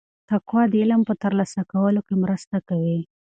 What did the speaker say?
تقوا د علم په ترلاسه کولو کې مرسته کوي.